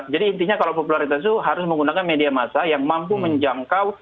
jadi intinya kalau popularitas itu harus menggunakan media masa yang mampu menjangkau